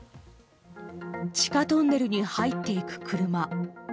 地下トンネルに入っていく車。